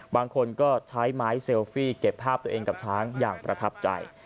บางคนก็ใช้ไม้เซลฟี่เก็บภาพตัวเองกับช้างอย่างประทับใจ